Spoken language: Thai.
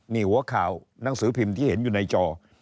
นี่หัวข่าวหนังสือพิมพ์ที่เห็นอยู่ในจอ